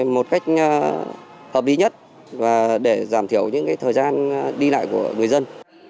một cách hợp lý nhất và để giảm thiểu những thời gian đi lại của người dân